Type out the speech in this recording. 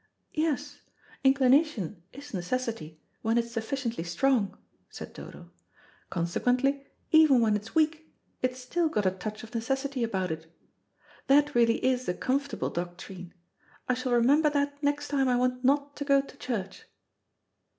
"Yes, inclination is necessity when it's sufficiently strong," said Dodo; "consequently, even when it's weak, it's still got a touch of necessity about it. That really is a comfortable doctrine. I shall remember that next time I want not to go to church."